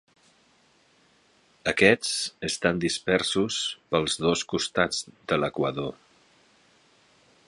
Aquests estan dispersos pels dos costats de l"equador.